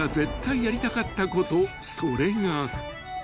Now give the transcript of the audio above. ［それが］